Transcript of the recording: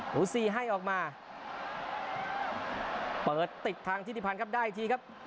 หูซีให้ออกมาเปิดติดทางทิศิพันธ์ครับได้อีกทีครับ